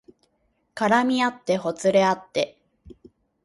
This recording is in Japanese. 絡みあってほつれあって